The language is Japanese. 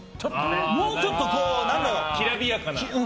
もうちょっときらびやかな。